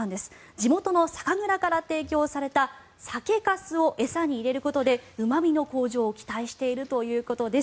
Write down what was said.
地元の酒蔵から提供された酒かすを餌に入れることでうま味の向上を期待しているということです。